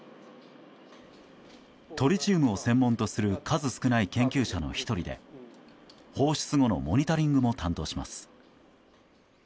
トリチウムを専門とする数少ない研究者の１人で放出後のモニタリングも担当します。